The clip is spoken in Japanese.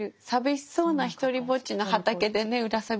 さびしそうなひとりぼっちの畑でねうら